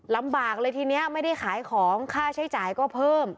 ลำบากเลยทีนี้ไม่ได้ขายของค่าใช้จ่ายก็เพิ่ม